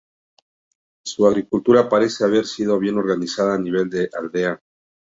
Su agricultura parece haber sido bien organizada a nivel de aldea.